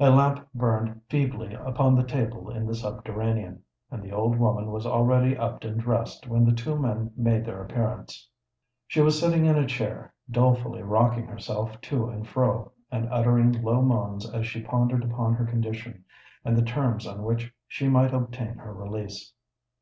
A lamp burned feebly upon the table in the subterranean; and the old woman was already up and dressed when the two men made their appearance. She was sitting in a chair, dolefully rocking herself to and fro, and uttering low moans as she pondered upon her condition and the terms on which she might obtain her release.